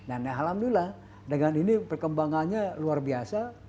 nah alhamdulillah dengan ini perkembangannya luar biasa